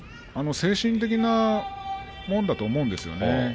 精神的なものだと思うんですよね。